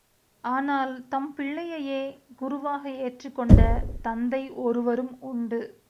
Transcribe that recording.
ஆனால் தம் பிள்ளையையே குருவாக ஏற்றுக் கொண்ட தந்தை ஒருவரும் உண்டு.